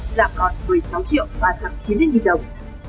giảm còn một mươi sáu triệu và chẳng chín đến nghìn đồng